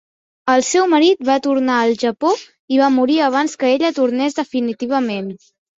El seu marit va tornar al Japó i va morir abans que ella tornés definitivament.